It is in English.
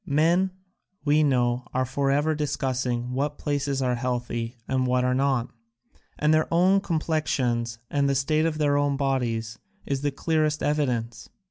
Men, we know, are forever discussing what places are healthy and what are not, and their own complexions and the state of their own bodies is the clearest evidence.